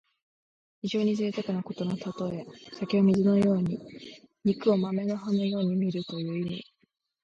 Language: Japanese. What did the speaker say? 非常にぜいたくなことのたとえ。酒を水のように肉を豆の葉のようにみるという意味。